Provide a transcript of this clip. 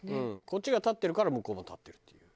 こっちが立ってるから向こうも立ってるっていう。